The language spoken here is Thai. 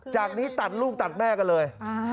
จากนี้ตัดลูกตัดแม่กันเลย